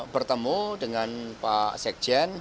bertemu dengan pak sejen